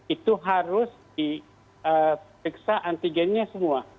itu harus diperiksa antigennya semua